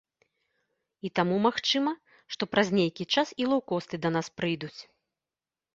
І таму магчыма, што праз нейкі час і лоўкосты да нас прыйдуць.